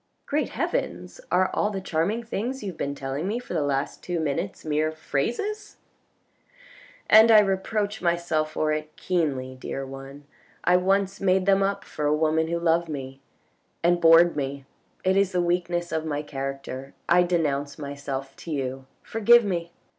" Great heavens ! are all the charming things you have been telling me for the last two minutes mere phrases ?"" And I reproach myself for it keenly, dear one. I once made them up for a woman who loved me, and bored me — it is the weakness of my character. I denounce myself to you, forgive me."